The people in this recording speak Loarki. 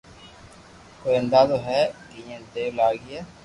ڪوئي اندازو ھي ڪيتي دير لاگئي